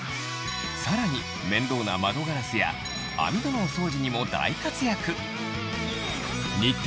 さらに面倒な窓ガラスや網戸のお掃除にも大活躍